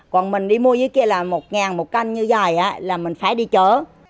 còn mình đi mua dưới kia là một ngàn một canh như vậy là mình phải đi chở